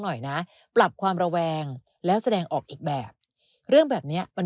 หน่อยนะปรับความระแวงแล้วแสดงออกอีกแบบเรื่องแบบเนี้ยมัน